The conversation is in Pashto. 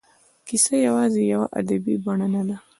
کیسه یوازې یوه ادبي بڼه نه ده.